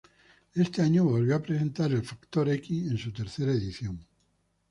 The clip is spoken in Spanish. Este año volvió a presentar el "Factor x" en su tercera edición.